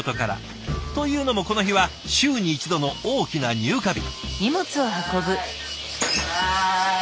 というのもこの日は週に一度の大きな入荷日。